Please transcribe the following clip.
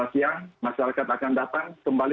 jam dua siang masyarakat akan datang kembali ke kota ini